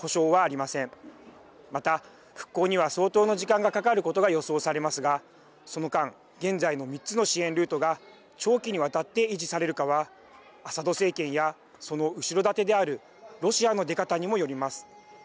また復興には相当の時間がかかることが予想されますがその間現在の３つの支援ルートが長期にわたって維持されるかはアサド政権やその後ろ盾であるロシアの出方にもよります。